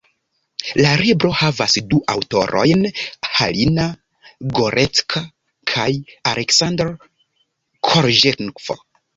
La libro havas du aŭtorojn, Halina Gorecka kaj Aleksander Korĵenkov.